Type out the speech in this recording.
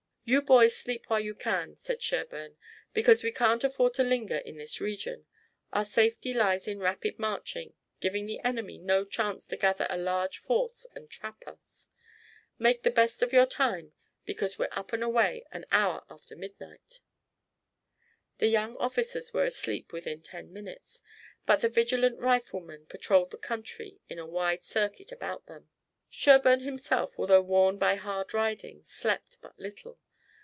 "You boys sleep while you can," said Sherburne, "because we can't afford to linger in this region. Our safety lies in rapid marching, giving the enemy no chance to gather a large force and trap us. Make the best of your time because we're up and away an hour after midnight." The young officers were asleep within ten minutes, but the vigilant riflemen patrolled the country in a wide circuit about them. Sherburne himself, although worn by hard riding, slept but little.